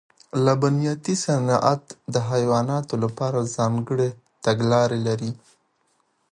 لبنیاتي صنعت د حیواناتو لپاره ځانګړې تګلارې لري.